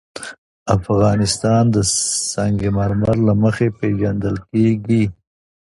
افغانستان د سنگ مرمر له مخې پېژندل کېږي.